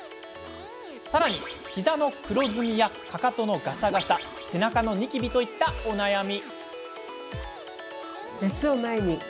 さらに、ひざの黒ずみやかかとのガサガサ背中のニキビといったお悩み。